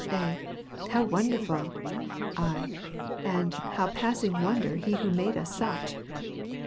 A. How wonderful! I. And "how passing wonder He who made us such!"